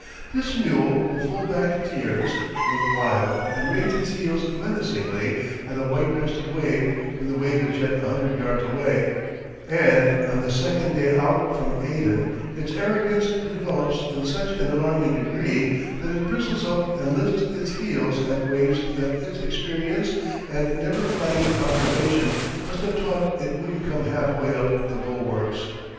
This mule will fold back its ears, look wild, and raise its heels menacingly at a white crested wave when the wave is yet a hundred yards away; and on the second day out from Aden its arrogance develops in such an alarming degree that it bristles up and lifts its heels at waves that its experience and never flagging observation must have taught it wouldn't come half way up the bulwarks!